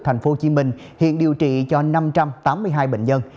thành phố hồ chí minh hiện điều trị cho năm trăm tám mươi hai bệnh nhân